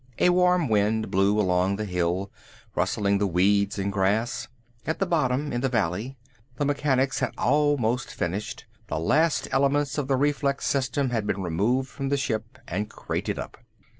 A warm wind blew along the hill, rustling the weeds and grass. At the bottom, in the valley, the mechanics had almost finished; the last elements of the reflex system had been removed from the ship and crated up.